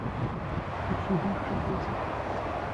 الأُسود في القفص.